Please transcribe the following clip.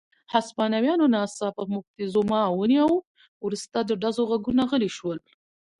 هسپانویانو ناڅاپه موکتیزوما ونیوه، وروسته د ډزو غږونه غلي شول.